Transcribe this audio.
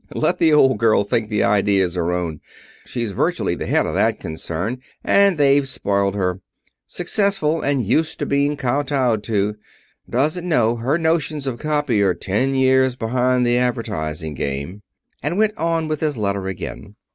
"... Let the old girl think the idea is her own. She's virtually the head of that concern, and they've spoiled her. Successful, and used to being kowtowed to. Doesn't know her notions of copy are ten years behind the advertising game " And went on with his letter again.